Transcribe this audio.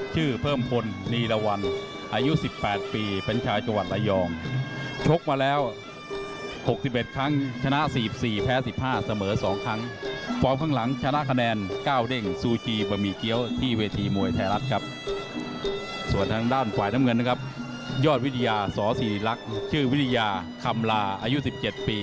ชมวิทยาสอสิริลักษณ์ชื่อวิทยาคำลาอายุ๑๗ปี